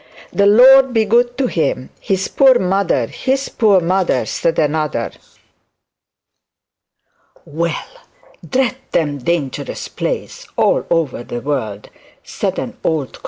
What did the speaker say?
'The Lord be good to him! his poor mother, his poor mother!' said another. 'Well, drat them dangerous plays all the world over,' said an old crone.